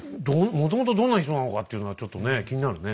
もともとどんな人なのかっていうのはちょっとね気になるね。